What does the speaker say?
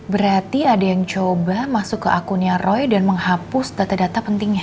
berarti ada yang coba masuk ke akunnya roy dan menghapus data data pentingnya